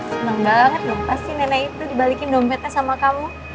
senang banget dong pasti nenek itu dibalikin dompetnya sama kamu